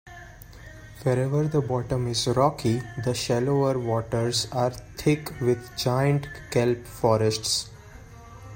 Wherever the bottom is rocky, the shallower waters are thick with giant kelp forests.